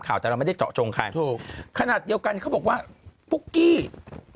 ข่าวแต่ไม่ได้เจาะจงไข่ถูกขนาดเดียวกันเขาบอกว่าปุ๊กกี้นาง